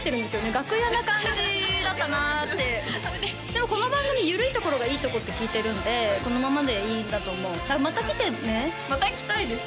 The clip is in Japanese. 楽屋な感じだったなってでもこの番組緩いところがいいとこって聞いてるんでこのままでいいんだと思うだからまた来てねまた来たいです！